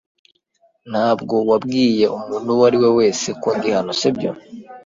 Ntabwo wabwiye umuntu uwo ari we wese ko ndi hano, si byo?